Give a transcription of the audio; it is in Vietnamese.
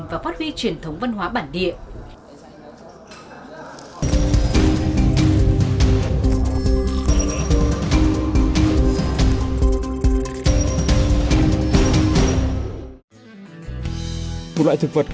và phát huy truyền thống văn hóa bản địa